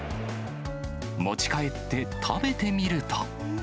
持ち帰って食べてみると。